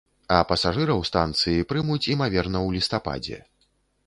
А пасажыраў станцыі прымуць, імаверна, у лістападзе.